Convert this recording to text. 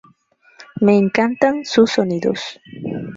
Me encantan sus sonidos.